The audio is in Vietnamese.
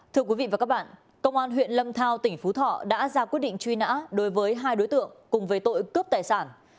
thưa quý vị và các bạn công an huyện lâm thao tỉnh phú thọ đã ra quyết định truy nã đối với hai đối tượng cùng về tội cướp tài sản